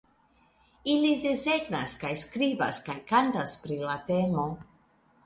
Ili desegnas kaj skribas kaj kantas pri la temo.